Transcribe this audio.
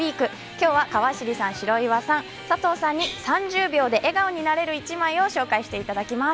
今日は、川尻さん、白岩さん佐藤さんに３０秒で笑顔になれる一枚を紹介していただきます。